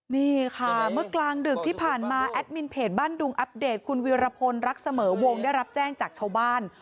นี่ค่ะเมื่อกลางดึกที่ผ่านมาแอดมินเพจบ้านดุงอัปเดตคุณวิรพลรักเสมอวงได้รับแจ้งจากชาวบ้าน